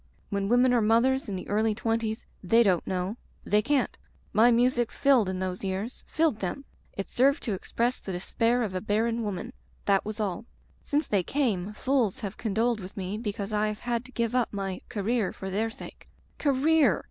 When women are mothers in the early twenties they don't know. They can't. My music filled in those years. Filled them! It served to express the despair of a barren woman — that was all. Since they came fools have condoled with me because I have had to give up my 'career' for their sake. Career!"